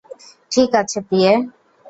ঠিক আছে, প্রিয়ে।